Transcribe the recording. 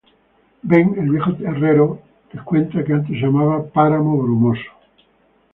Ben, el viejo herrero, les cuenta que antes se llamaba Páramo Brumoso.